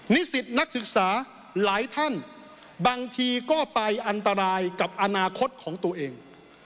นิสิตนักศึกษาหลายท่านบางทีก็ไปอันตรายกับอนาคตของตัวเอง